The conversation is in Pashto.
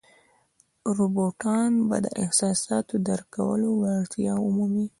روباټان به د احساساتو درک کولو وړتیا ومومي.